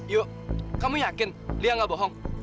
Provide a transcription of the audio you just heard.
yuk kamu yakin lia nggak bohong